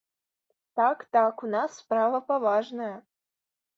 Так, так, у нас справа паважная.